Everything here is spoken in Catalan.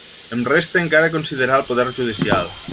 Em resta encara considerar el poder judicial.